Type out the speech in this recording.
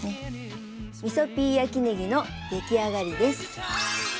みそピー焼きねぎのできあがりです！